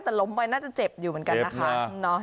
แต่ล้มไปน่าจะเจ็บอยู่เหมือนกันนะคะ